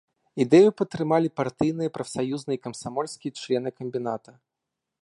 Ідэю падтрымалі партыйныя, прафсаюзныя і камсамольскія члены камбіната.